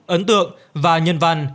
ấn tượng và nhân văn